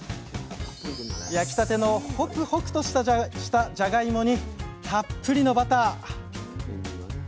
焼きたてのほくほくとしたじゃがいもにたっぷりのバター